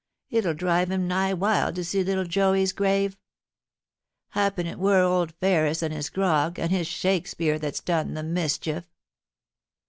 It'll drive him nigh wild to see little Joey's grave Happen it were old Ferris and his grog and his Shakespeare that's done the mischief.